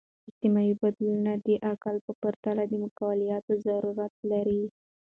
اجتماعي بدلونونه د عقل په پرتله د معقولیت ضرورت لري.